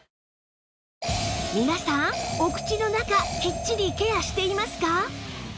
皆さんお口の中きっちりケアしていますか？